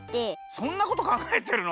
そんなことかんがえてるの？